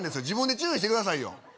自分で注意してくださいよ